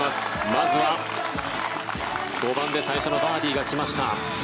まずは５番で最初のバーディーが来ました。